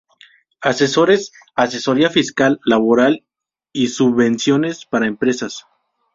Asesores, asesoría fiscal, laboral y subvenciones para empresas.